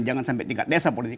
jangan sampai tingkat desa politik